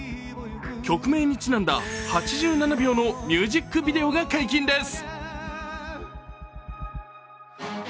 曲名にちなんだ８７秒のミュージックビデオが解禁です。